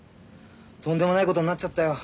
とんでもないことになっちゃったよ。